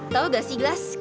tau gak sih glasio